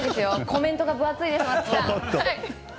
コメントが分厚いです。